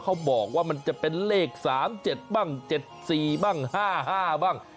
เขาบอกว่ามันจะเป็นเลข๓๗บ้าง๗๔บ้าง๕๕บ้าง